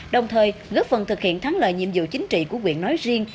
đồng thời góp phần thực hiện thắng lợi nhiệm vụ chính trị của quyện nói riêng